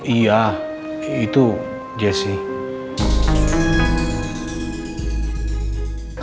iya itu jessy